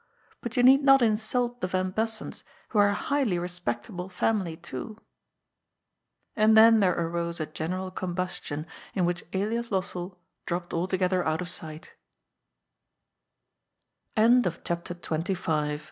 But you need not insult the yan Bussens, who are a highly respectable family too." And then there arose a general combustion in which Elias Lossell dropped altogether out of sight CHAP